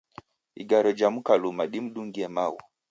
Igare jamuka luma dimdungie maghu